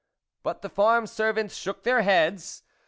" But the farm servants shook their heads.